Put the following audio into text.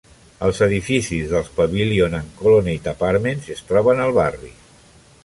Els edificis dels Pavilion and Colonnade Apartments es troben al barri.